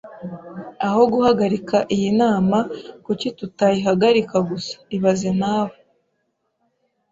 Aho guhagarika iyi nama, kuki tutayihagarika gusa ibaze nawe